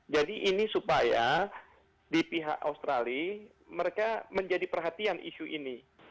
jadi ini supaya di pihak australia mereka menjadi perhatian isu ini